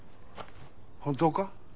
本当か？